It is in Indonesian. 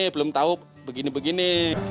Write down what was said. belum tahu begini begini